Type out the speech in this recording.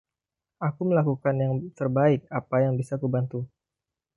Aku melakukan yang terbaik apa yang bisa kubantu.